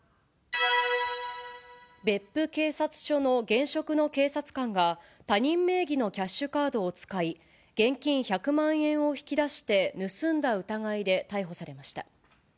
別府警察署の現職の警察官が、他人名義のキャッシュカードを使い、現金１００万円を引き出して盗んだ疑いで逮捕されました。